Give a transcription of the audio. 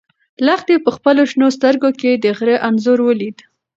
لښتې په خپلو شنه سترګو کې د غره انځور ولید.